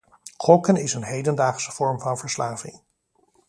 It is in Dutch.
Gokken is een hedendaagse vorm van verslaving.